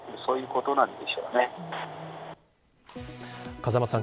風間さん